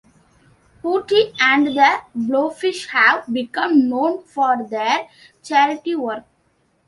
Hootie and the Blowfish have become known for their charity work.